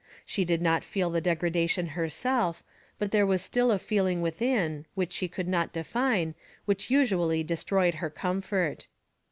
She did not feel the degradation herself, but there was still a feeling within, which she could not define, which usually destroyed her comfort.